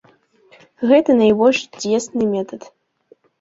Гэта найбольш дзейсны метад.